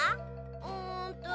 うんと。